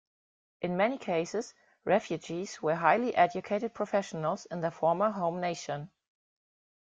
In many cases, Refugees were highly educated professionals in their former home nation.